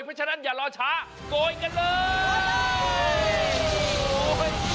เพราะฉะนั้นอย่ารอช้าโกยกันเลย